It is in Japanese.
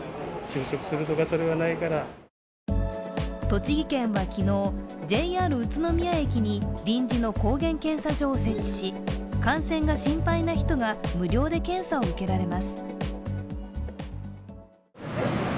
栃木県は昨日、ＪＲ宇都宮駅に臨時の抗原検査場を設置し、感染が心配な人が無料で検査を受けられます。